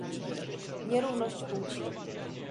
"nierówność płci"